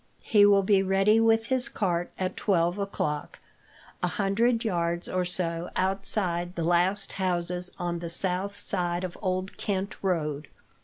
He will be ready with his cart at twelve o'clock, a hundred yards or so outside the last houses on the south side of the Old Kent Road.